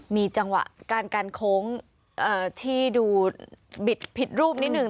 มีจังหวะการโค้งที่ดูบิดผิดรูปนิดนึง